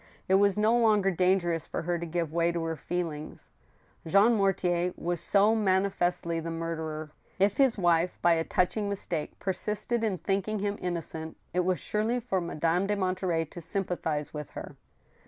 It was no longer dangerous for her to give way to her feelings. Jean Mortier was so manifestly the murderer. If his wife, by a touching mistake, persisted in thinking him innocent, it was surely for Madame de Monterey to sympathize with her.